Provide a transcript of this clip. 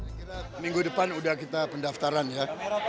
saya kira minggu depan udah kita pendaftaran ya